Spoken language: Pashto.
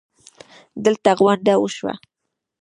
دلته غونډه وشوه